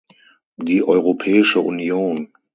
Die Europäische Union.